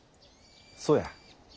そや。